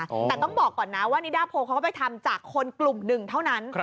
แต่ต้องบอกก่อนนะว่านิดาโพเขาก็ไปทำจากคนกลุ่มหนึ่งเท่านั้น